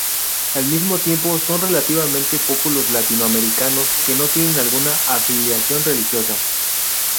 Al mismo tiempo, son relativamente pocos los latinoamericanos que no tienen alguna afiliación religiosa.